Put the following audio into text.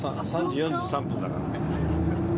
３時４３分だから。